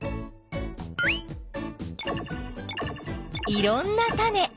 いろんなタネ。